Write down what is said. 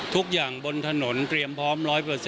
ทุกอย่างบนถนนเตรียมพร้อม๑๐๐